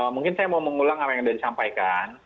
mungkin saya mau mengulang apa yang sudah disampaikan